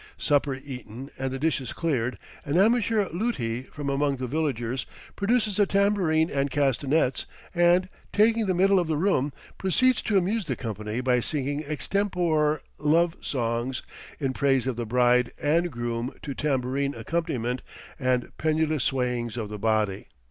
Supper eaten and the dishes cleared, an amateur luti from among the villagers produces a tambourine and castanets, and, taking the middle of the room, proceeds to amuse the company by singing extempore love songs in praise of the bride and groom to tambourine accompaniment and pendulous swayings of the body.